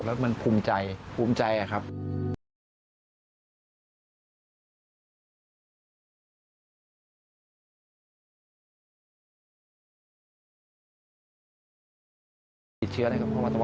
แล้วมันภูมิใจครับ